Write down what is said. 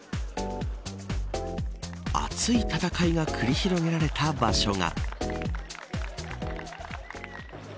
熱い戦いが繰り広げられた場所が。